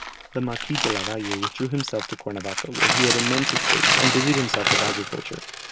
The Marquis della Valle withdrew himself to Cuernavaca, where he had immense estates, and busied himself with agriculture.